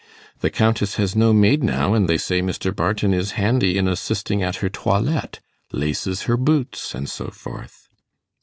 'The Countess has no maid now, and they say Mr. Barton is handy in assisting at her toilette laces her boots, and so forth.